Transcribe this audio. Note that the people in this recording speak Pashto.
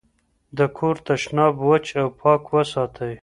د کور تشناب وچ او پاک وساتئ.